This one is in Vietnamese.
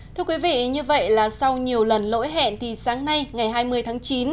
thưa quý vị như vậy là sau nhiều lần lỗi hẹn thì sáng nay ngày hai mươi tháng chín